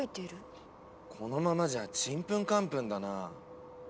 このままじゃちんぷんかんぷんだな。